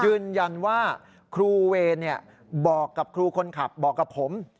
ยืนยันว่าครูเวรบอกกับครูคนขับบอกกับผม